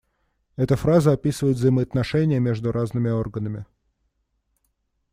Эта фраза описывает взаимоотношения между разными органами.